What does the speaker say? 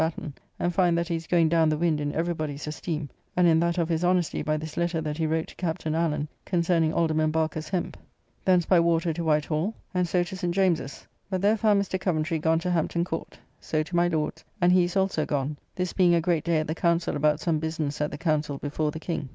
Batten, and find that he is going down the wind in every body's esteem, and in that of his honesty by this letter that he wrote to Captn. Allen concerning Alderman Barker's hemp. Thence by water to White Hall; and so to St. James's; but there found Mr. Coventry gone to Hampton Court. So to my Lord's; and he is also gone: this being a great day at the Council about some business at the Council before the King.